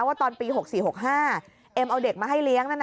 ว่าตอนปี๖๔๖๕เอ็มเอาเด็กมาให้เลี้ยงนั่น